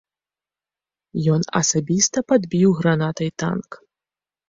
Ён асабіста падбіў гранатай танк.